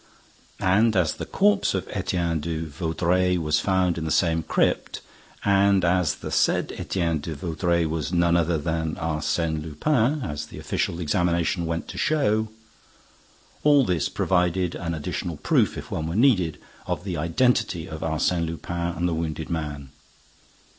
And, as the corpse of Étienne de Vaudreix was found in that same crypt and as the said Étienne de Vaudreix was none other than Arsène Lupin—as the official examination went to show—all this provided an additional proof, if one were needed, of the identity of Arsène Lupin and the wounded man.